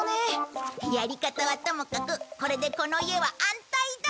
やり方はともかくこれでこの家は安泰だ！